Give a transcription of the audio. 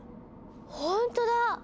ほんとだ！